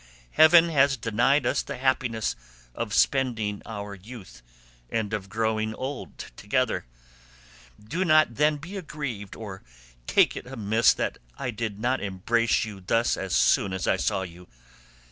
Heaven has denied us the happiness of spending our youth, and of growing old, together; do not then be aggrieved or take it amiss that I did not embrace you thus as soon as I saw you.